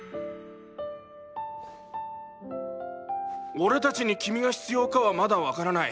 俺たちに君が必要かはまだわからない。